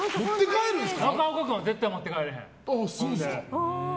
中岡君は絶対持って帰らへん。